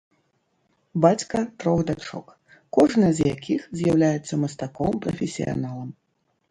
Бацька трох дачок, кожная з якіх з'яўляецца мастаком-прафесіяналам.